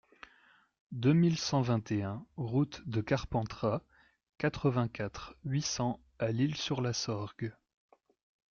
deux mille cent vingt et un route de Carpentras, quatre-vingt-quatre, huit cents à L'Isle-sur-la-Sorgue